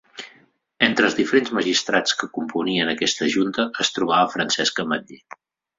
Entre els diferents magistrats que componien aquesta junta es trobava Francesc Ametller.